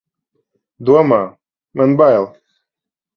Domā, man bail!